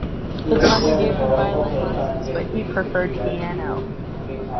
His mother gave him violin lessons, but he preferred piano.